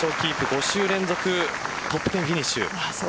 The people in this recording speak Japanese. ５週連続トップ１０フィニッシュ。